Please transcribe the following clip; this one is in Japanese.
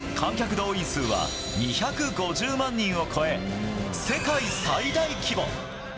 観客動員数は２５０万人を超え世界最大規模。